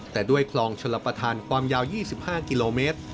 แต่ด้วยคลองชลประธานความยาว๒๕กิโลเมตร